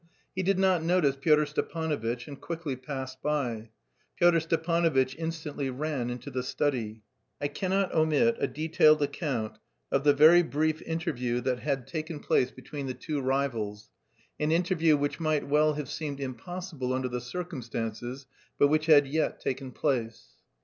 He did not notice Pyotr Stepanovitch, and quickly passed by. Pyotr Stepanovitch instantly ran into the study. I cannot omit a detailed account of the very brief interview that had taken place between the two "rivals" an interview which might well have seemed impossible under the circumstances, but which had yet taken place.